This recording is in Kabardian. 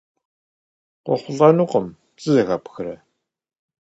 КъыуэхъулӀэнукъым, сызэхэпхрэ?